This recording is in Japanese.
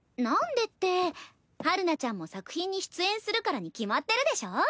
なんでって陽菜ちゃんも作品に出演するからに決まってるでしょ。